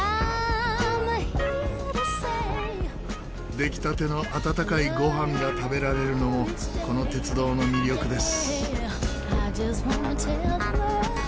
出来たての温かいご飯が食べられるのもこの鉄道の魅力です。